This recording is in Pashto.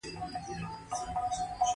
ګاونډي ته د عزت سترګو ګوره